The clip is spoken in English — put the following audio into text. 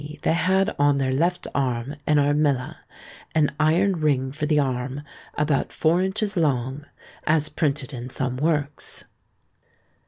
_, they had on their left arm an armilla, an iron ring for the arm, about four inches long, as printed in some works.